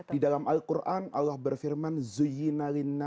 di dalam al quran allah berfirman zuy